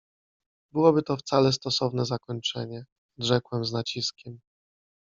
— Byłoby to wcale stosowne zakończenie! — odrzekłem z naciskiem.